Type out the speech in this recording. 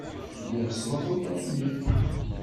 Lliɣ sṛuḥuyeɣ lmil.